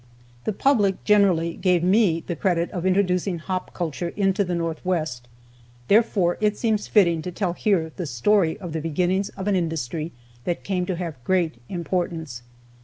The public, generally, gave me the credit of introducing hop culture into the Northwest. Therefore it seems fitting to tell here the story of the beginnings of an industry that came to have great importance.